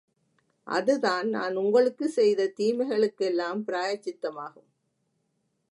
அதுதான் நான் உங்களுக்குச் செய்த தீமைகளுக் கெல்லாம், பிராயச்சித்தமாகும்.